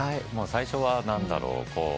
最初は何だろう。